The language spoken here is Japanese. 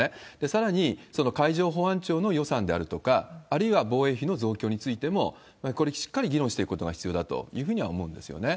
さらに、その海上保安庁の予算であるとか、あるいは防衛費の増強についても、これ、しっかり議論していくことが必要だというふうには思うんですよね。